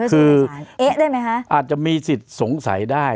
คือเอ๊ะได้ไหมคะอาจจะมีสิทธิ์สงสัยได้